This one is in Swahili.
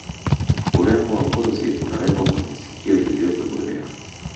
Urembo wa ngozi unawekwa kwenye sikio lilotobolewa